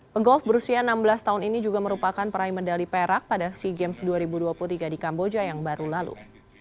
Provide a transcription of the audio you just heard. pegolf berusia enam belas tahun ini juga merupakan peraih medali perak pada sea games dua ribu dua puluh tiga di kamboja yang baru lalu